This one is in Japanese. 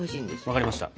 分かりました。